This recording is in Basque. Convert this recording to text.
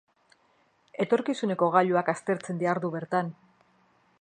Etorkizuneko gailuak aztertzen dihardu bertan.